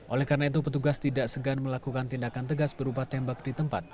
oleh karena itu petugas tidak segan melakukan tindakan tegas berupa tembak di tempat